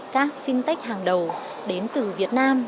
các fintech hàng đầu đến từ việt nam